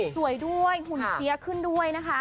สวยด้วยหุ่นเสียขึ้นด้วยนะคะ